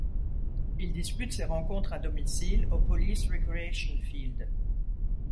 Il dispute ses rencontres à domicile au Police Recreation Field.